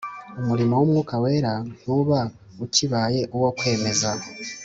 Umurimo w'Umwuka Wera ntuba ukibaye uwo kwemeza.